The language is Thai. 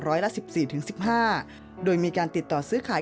ละ๑๔๑๕โดยมีการติดต่อซื้อขาย